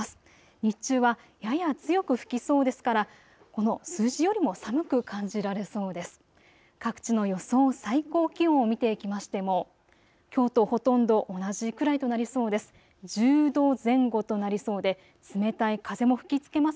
日中はやや強く吹きそうですからこの数字よりも寒く感じられそうです。